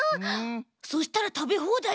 そしたらたべほうだいじゃん。